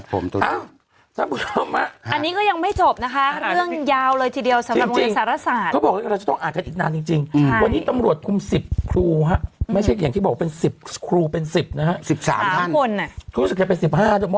คุณแม่คนที่โซเชียลเห็นใจหนูเห็นไหม